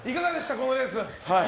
このレース。